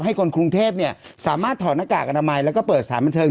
คนกรุงเทพเนี่ยสามารถถอดหน้ากากอนามัยแล้วก็เปิดสถานบันเทิง